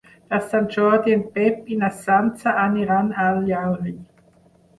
Per Sant Jordi en Pep i na Sança aniran a Llaurí.